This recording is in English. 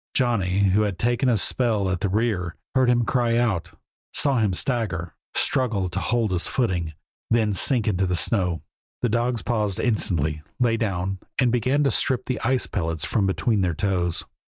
Johnny, who had taken a spell at the rear, heard him cry out, saw him stagger, struggle to hold his footing, then sink into the snow. The dogs paused instantly, lay down, and began to strip the ice pellets from between their toes.